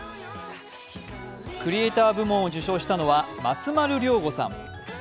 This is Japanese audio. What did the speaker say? クリエイター部門を受賞したのは松丸亮吾さん。